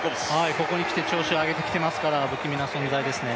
ここにきて調子を上げてきてますから、不気味な存在ですね。